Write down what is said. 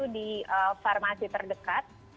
di farmasi terdekat